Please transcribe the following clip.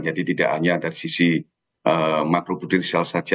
jadi tidak hanya dari sisi makro prudensial saja